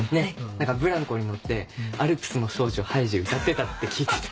何かブランコに乗って『アルプスの少女ハイジ』歌ってたって聞いてて。